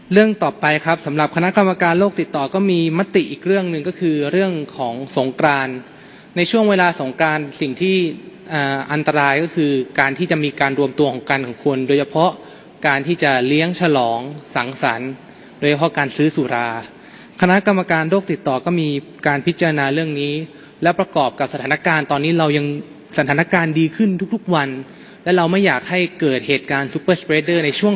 เรื่องต่อไปครับสำหรับคณะกรรมการโลกติดต่อก็มีมติอีกเรื่องหนึ่งก็คือเรื่องของสงกรานในช่วงเวลาสงกรานสิ่งที่อันตรายก็คือการที่จะมีการรวมตัวของการของคนโดยเฉพาะการที่จะเลี้ยงฉลองสังสรรค์โดยเฉพาะการซื้อสุราคณะกรรมการโลกติดต่อก็มีการพิจารณาเรื่องนี้และประกอบกับสถานการณ์ตอนนี้เรายัง